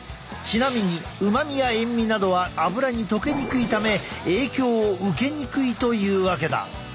ちなみに旨味や塩味などはアブラに溶けにくいため影響を受けにくいというわけだ。